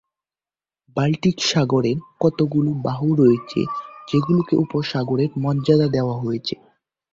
Baltic সাগরের কতগুলো বাহু রয়েছে যেগুলোকে উপসাগরে মর্যাদা দেওয়া হয়েছে।